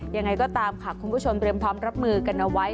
ยังไงก็ตามค่ะคุณผู้ชมเตรียมพร้อมรับมือกันเอาไว้